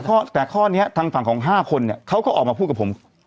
แต่ข้อนี้ทางฝั่งของ๕คนเนี่ยเขาก็ออกมาพูดกับผม